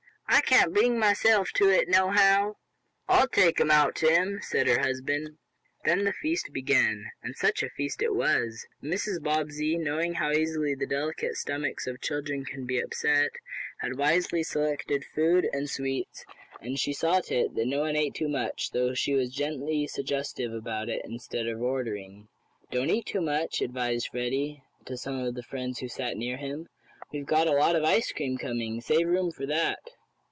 I can't bring mahself to it, nohow." "I'll take 'em out to him," said her husband. Then the feast began, and such a feast as it was! Mrs. Bobbsey, knowing how easily the delicate stomachs of children can be upset, had wisely selected the food and sweets, and she saw to it that no one ate too much, though she was gently suggestive about it instead of ordering. "Don't eat too much," advised Freddie to some of the friends who sat near him. "We've got a lot of ice cream coming. Save room for that."